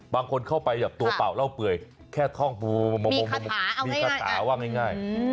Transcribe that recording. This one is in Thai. บางคนเข้าไปดับตัวเปล่าเร่าเปื่อยแค่ท่องมีขึ้นมามีขนาดวันใช้ง่าย